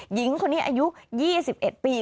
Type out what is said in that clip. หญิงคนนี้อายุ๒๑ปี